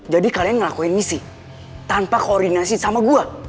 jadi kalian ngelakuin misi tanpa koordinasi sama gue